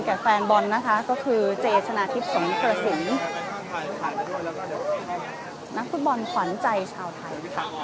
กับแฟนบอลนะคะก็คือเจชนาทิพย์สมเกษิญนักฟุตบอลขวานใจชาวไทย